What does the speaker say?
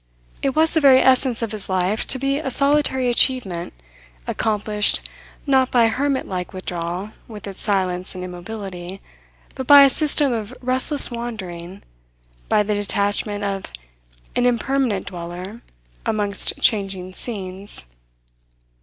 It was the very essence of his life to be a solitary achievement, accomplished not by hermit like withdrawal with its silence and immobility, but by a system of restless wandering, by the detachment of an impermanent dweller amongst changing scenes.